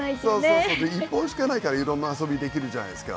そうそうで１本しかないからいろんな遊びできるじゃないですか。